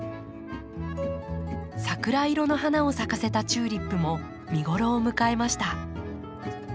桜色の花を咲かせたチューリップも見頃を迎えました。